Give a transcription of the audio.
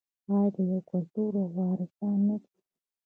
آیا د یو کلتور وارثان نه دي؟